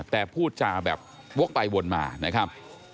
แต่พูดจาแบบวกไปวนมานะครับ